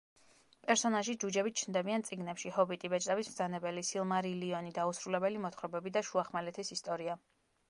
პერსონაჟი ჯუჯები ჩნდებიან წიგნებში „ჰობიტი“, „ბეჭდების მბრძანებელი“, „სილმარილიონი“, „დაუსრულებელი მოთხრობები“ და „შუახმელეთის ისტორია“.